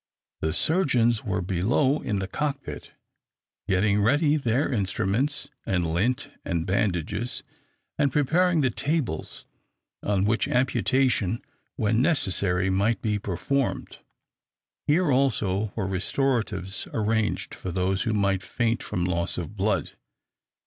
The surgeons were below in the cock pit, getting ready their instruments, and lint, and bandages, and preparing the tables on which amputation when necessary might be performed. Here also were restoratives arranged, for those who might faint from loss of blood.